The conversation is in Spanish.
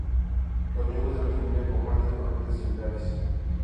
Los miembros de la familia comparten órbitas similares.